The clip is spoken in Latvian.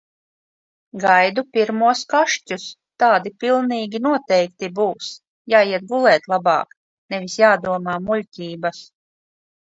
Gaidu pirmos kašķus, tādi pilnīgi noteikti būs. Jāiet gulēt labāk, nevis jādomā muļķības.